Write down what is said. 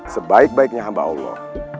sebaik baiknya hamba allah